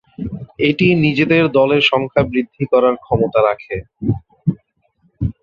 এটি নিজেদের দলের সংখ্যা বৃদ্ধি করার ক্ষমতা রাখে।